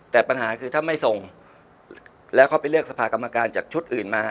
แต่ปัญหาคือถ้าไม่ส่งแล้วเขาไปเลือกสภากรรมการจากชุดอื่นมา